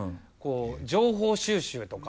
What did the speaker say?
情報収集とか。